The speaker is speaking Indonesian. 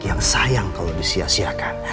yang sayang kalau disiasiakan